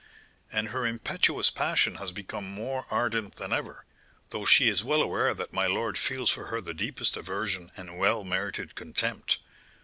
"And her impetuous passion has become more ardent than ever, though she is well aware that my lord feels for her the deepest aversion and well merited contempt.